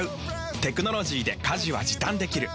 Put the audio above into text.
テクノロジーで家事は時短できる。